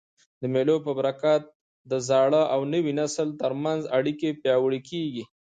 د مېلو په برکت د زاړه او نوي نسل تر منځ اړیکي پیاوړي کېږي.